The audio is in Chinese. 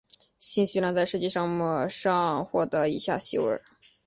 新西兰在射击项目上获得以下席位。